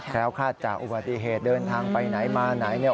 คาดจากอุบัติเหตุเดินทางไปไหนมาไหนเนี่ย